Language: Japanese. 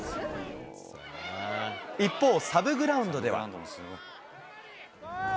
一方、サブグラウンドでは。